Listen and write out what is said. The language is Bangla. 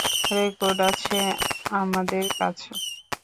রেকর্ড আছে আমাদের কাছে।